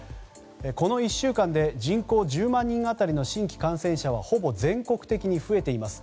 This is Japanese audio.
この１週間で人口１０万人当たりの新規感染者はほぼ全国的に増えています。